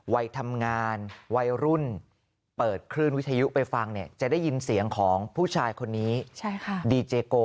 วัยทำงานวัยรุ่นเปิดคลื่นวิทยุไปฟังเนี่ยจะได้ยินเสียงของผู้ชายคนนี้ดีเจโก